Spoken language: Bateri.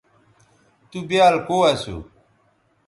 تُو بیال کو اسو